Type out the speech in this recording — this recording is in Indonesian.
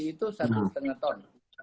itu satu setengah ton